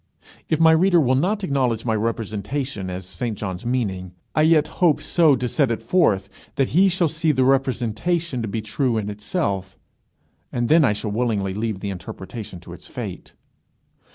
If my reader will not acknowledge my representation as St John's meaning, I yet hope so to set it forth that he shall see the representation to be true in itself, and then I shall willingly leave the interpretation to its fate.